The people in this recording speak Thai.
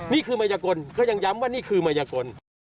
นี่คือมัยกลเขายังย้ำว่านี่คือมัยกล